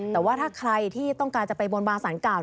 แต่ว่าถ้าใครที่ต้องการจะไปบนบาสารเก่า